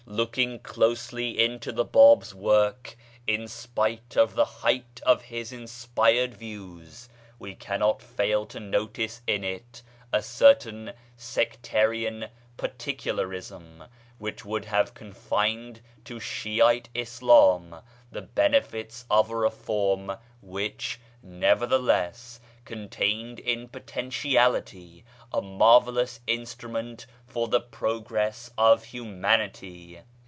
Looking closely into the Bab's work, in spite of the height of his inspired views, we cannot fail to notice in it a certain sectarian particularism which would have confined to Shiite Islam the benefits of a reform which, nevertheless, contained in potentiality a marvellous instrument for the progress of humanity.